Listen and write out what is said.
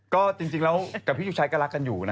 ก็จริงแล้วกับพี่ลูกชายก็รักกันอยู่นะ